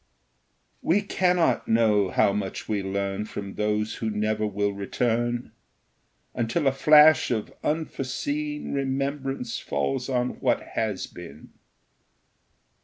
We cannot know how much we learn From those who never will return, Until a flash of unforeseen Remembrance falls on what has been.